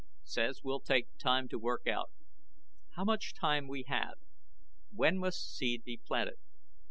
SAYS WILL TAKE TIME TO WORK OUT. HOW MUCH TIME WE HAVE? WHEN MUST SEED BE PLANTED?